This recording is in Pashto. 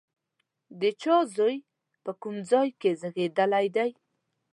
د چا زوی، په کوم ځای کې زېږېدلی دی؟